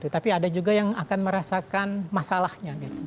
tapi ada juga yang akan merasakan masalahnya